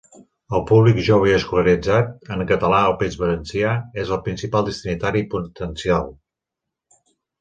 El públic jove i escolaritzat en català al País Valencià és el principal destinatari potencial.